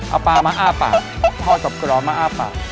เอาปลามาอ้าปากพ่อจบกระดอนมาอ้าปาก